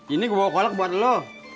ini bawa kolak buat lo